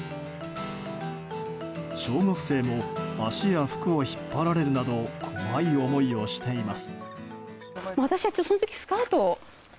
小学生も足や服を引っ張られるなど怖い思いをしています。